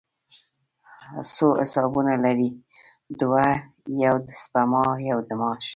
څو حسابونه لرئ؟ دوه، یو د سپما، یو د معاش